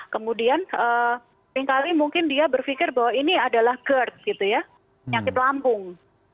kemudian seringkali mungkin dia berpikir bahwa ini adalah gerd gitu ya nyakit lampung